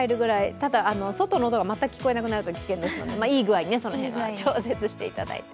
ただ外の音が全く聞こえなくなると危険ですのでいいぐあいにその辺は調節していただいて。